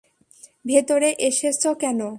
ভেতরে এসেছো কেন?